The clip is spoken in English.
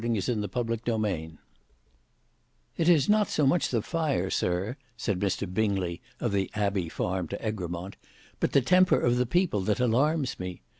Book 2 Chapter 4 "It is not so much the fire, sir," said Mr Bingley of the Abbey farm to Egremont, "but the temper of the people that alarms me.